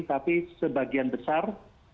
tapi sebagian besar